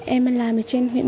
em làm ở trên huyện bắc